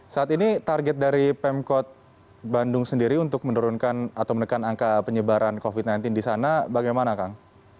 saat ini target dari pemkot bandung sendiri untuk menurunkan atau menekan angka penyebaran covid sembilan belas di sana bagaimana kang